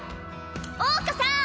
桜花さん！